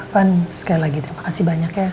ya kan sekali lagi terima kasih banyaknya